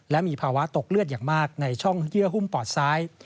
และมีภาวะตกเลือดอย่างมากในช่องเยื่อหุ้มปอดซ้าย